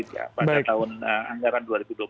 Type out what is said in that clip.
pada tahun anggaran dua ribu dua puluh